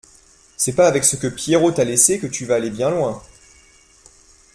C’est pas avec ce que Pierrot t’a laissé que tu vas aller bien loin.